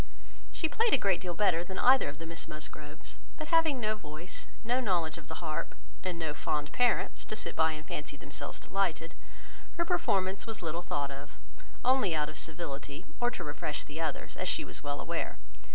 She played a great deal better than either of the Miss Musgroves, but having no voice, no knowledge of the harp, and no fond parents, to sit by and fancy themselves delighted, her performance was little thought of, only out of civility, or to refresh the others, as she was well aware.